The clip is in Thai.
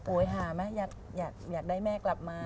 โอ๊ยหาแม่อยากได้แม่กลับมา